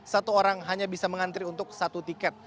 satu orang hanya bisa mengantri untuk satu tiket